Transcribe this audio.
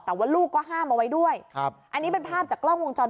แต่ว่าลูกก็ห้ามเอาไว้ด้วยครับอันนี้เป็นภาพจากกล้องวงจร